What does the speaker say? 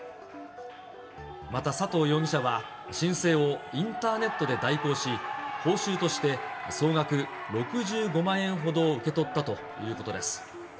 また佐藤容疑者は、申請をインターネットで代行し、報酬として、総額６５万円ほどを受け取ったということです。